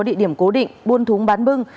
địa điểm cố định buôn thúng bán bưng